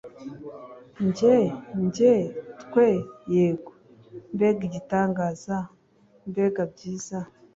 njye, njye, twe? yego. mbega igitangaza. mbega byiza